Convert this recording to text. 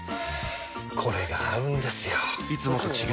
これが合うんですよ！